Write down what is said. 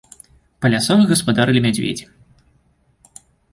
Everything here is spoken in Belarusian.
Па лясах гаспадарылі мядзведзі.